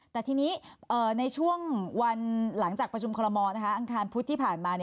แต่ทีนี้ในช่วงวันหลังจากประชุมคอลโมอังคารพุธที่ผ่านมา